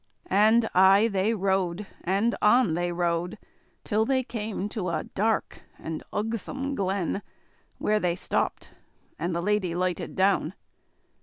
And aye they rode, and on they rode, till they came to a dark and ugsome glen, where they stopped, and the lady lighted down.